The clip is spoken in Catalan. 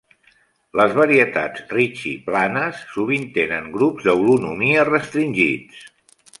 Les varietats Ricci planes sovint tenen grups de holonomia restringits.